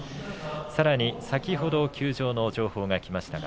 さらに先ほど休場の情報がきました。